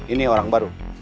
ini orang baru